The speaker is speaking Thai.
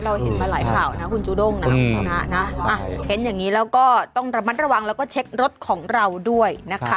เห็นมาหลายข่าวนะคุณจูด้งนะคุณชนะนะเห็นอย่างนี้แล้วก็ต้องระมัดระวังแล้วก็เช็ครถของเราด้วยนะคะ